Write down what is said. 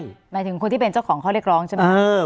หมายถึงคนที่เป็นเจ้าของข้อเรียกร้องใช่ไหมครับ